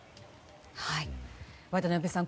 渡辺さん